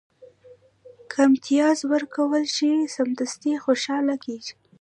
که امتیاز ورکړل شي، سمدستي خوشاله کېږي.